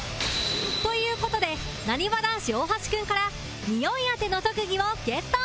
という事でなにわ男子大橋君から匂い当ての特技をゲット